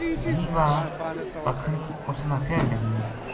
بھی واہ پکھنی اس نا کہن لگی